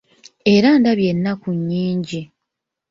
Era ndabye ennaku nyingi.